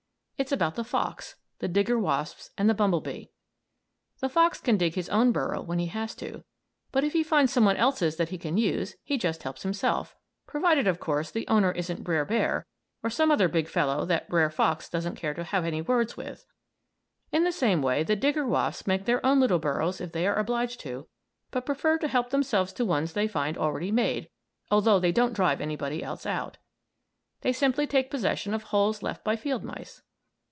It's about the fox, the digger wasps, and the bumblebee. The fox can dig his own burrow when he has to, but if he finds somebody else's that he can use, he just helps himself provided, of course, the owner isn't Brer Bear, or some other big fellow that Brer Fox doesn't care to have any words with. In the same way the digger wasps make their own little burrows if they are obliged to, but prefer to help themselves to ones they find already made, although they don't drive anybody else out. They simply take possession of holes left by field mice.